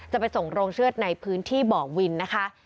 จะไปส่งโรงเชือดในพื้นที่บ่อวินนะคะ